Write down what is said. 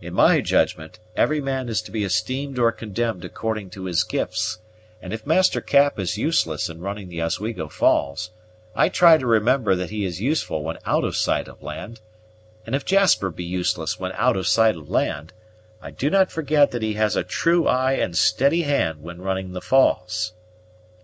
In my judgment, every man is to be esteemed or condemned according to his gifts; and if Master Cap is useless in running the Oswego Falls, I try to remember that he is useful when out of sight of land; and if Jasper be useless when out of sight of land, I do not forget that he has a true eye and steady hand when running the falls."